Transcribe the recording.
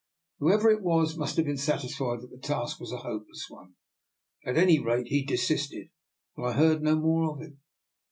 Who ever it was must have been satisfied that the task was a hopeless one. At any rate he de sisted, and I heard no more of him.